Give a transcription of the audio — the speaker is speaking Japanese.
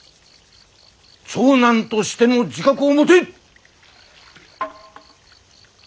長男としての自覚を持て！